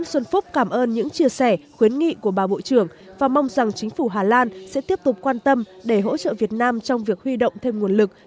nguyễn xuân phúc cảm ơn những chia sẻ khuyến nghị của bà bộ trưởng và mong rằng chính phủ hà lan sẽ tiếp tục quan tâm để hỗ trợ việt nam trong việc huy động thêm nguồn lực